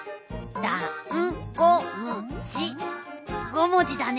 ５もじだね。